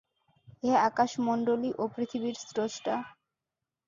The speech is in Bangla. হে আকাশমণ্ডলী ও পৃথিবীর স্রষ্টা!